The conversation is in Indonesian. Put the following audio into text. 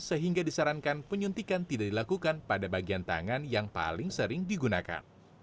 sehingga disarankan penyuntikan tidak dilakukan pada bagian tangan yang paling sering digunakan